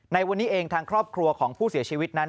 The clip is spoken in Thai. ในวันนี้เองทางครอบครัวของผู้เสียชีวิตนั้น